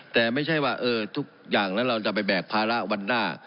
แต่ไม่ใช่ว่าทุกอย่างแล้วเราจะไปแบกภาระวันหน้า